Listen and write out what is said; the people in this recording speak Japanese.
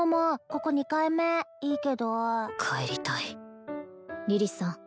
ここ２回目いいけど帰りたいリリスさん